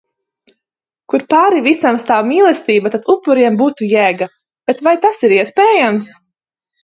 Kur pāri visam stāv mīlestība, tad upuriem būtu jēga. Bet vai tas ir iespējams?